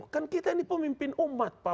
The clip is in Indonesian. kan kita ini pemimpin umat pak